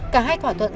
cả hai thỏa thuận